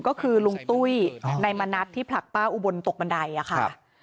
ก็คือลุงตุ้ยในมณัฐที่ผลักป้าอุบลตกบันไดค่ะ